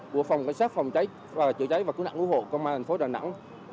của phòng cảnh sát phòng cháy và chữa cháy và cứu nạn cứu hộ công an thành phố đà nẵng